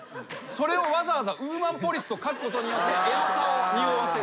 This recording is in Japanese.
それをわざわざ「ウーマンポリス」と書くことによってエロさをにおわせるという。